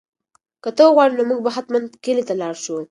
که ته وغواړې نو موږ به حتماً کلي ته لاړ شو.